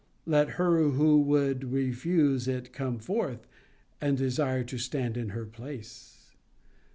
Let her who would refuse it come forth, and desire to stand in her place.